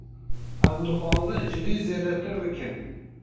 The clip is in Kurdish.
Em dixwazin ji vî zêdetir bikin.